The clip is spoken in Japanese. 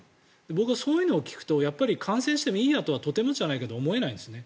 僕はそういうのを聞くと感染してもいいやとはとてもじゃないけど思えないんですね。